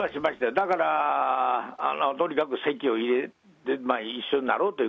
だから、とにかく籍を入れて一緒になろうという。